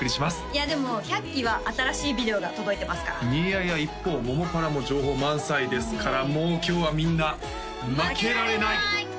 いやでも百鬼は新しいビデオが届いてますからいやいや一方桃パラも情報満載ですからもう今日はみんな負けられない！